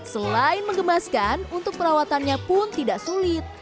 selain mengemaskan untuk perawatannya pun tidak sulit